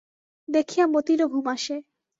দেখিয়া মতিরও ঘুম আসে।